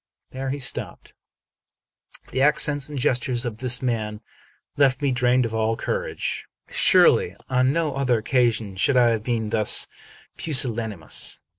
There he stopped. The accents and gestures of this man left me drained of all courage. Surely, on no other occasion should I have been thus pusillanimous.